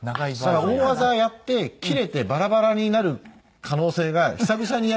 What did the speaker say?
大技やって切れてバラバラになる可能性が久々にやると。